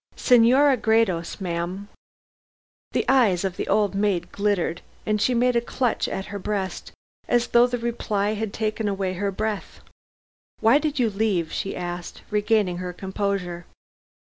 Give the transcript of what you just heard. "Senora Gredos, ma'am!" The eyes of the old maid glittered, and she made a clutch at her breast as though the reply had taken away her breath. "Why did you leave?" she asked, regaining her composure.